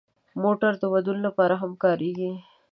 موټر د ودونو لپاره هم کارېږي.